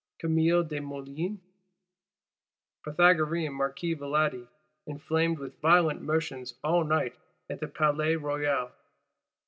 Camille Desmoulins? Pythagorean Marquis Valadi, inflamed with "violent motions all night at the Palais Royal?"